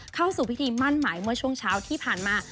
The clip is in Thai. เข้าสู่พิธีมั่นหมายเมื่อช่วงเช้าที่ผ่านมา